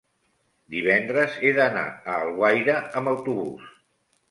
divendres he d'anar a Alguaire amb autobús.